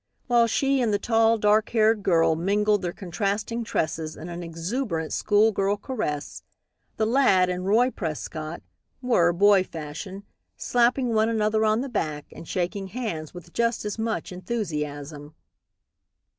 While she and the tall, dark haired girl mingled their contrasting tresses in an exuberant school girl caress, the lad and Roy Prescott, were, boy fashion, slapping one another on the back and shaking hands with just as much enthusiasm.